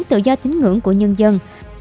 tự do tín ngưỡng của nhân dân